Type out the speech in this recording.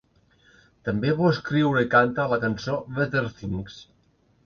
També va coescriure i canta a la cançó "Better Things".